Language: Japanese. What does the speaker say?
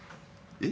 えっ？